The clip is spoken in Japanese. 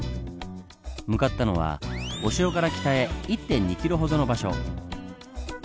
向かったのはお城から北へ１．２ｋｍほどの場所。